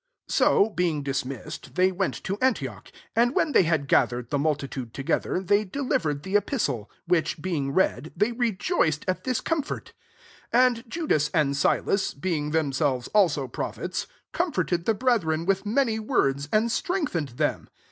30 So, being dismissed, they went to Antioch: and, when they had gathered the multi tude together, they delivered the epistle: SI which, being read, they rejoiced at this com fort. 32 And Judas and Silas, being themselves also prophets, comforted the brethren with many words, and strengthened them.